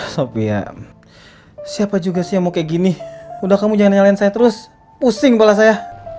sop ya siapa juga sih yang mau kayak gini udah kamu jangan nyalain saya terus pusing pola saya